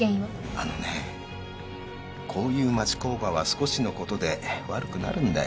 あのねこういう町工場は少しのことで悪くなるんだよ。